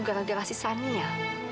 gara gara si sani ya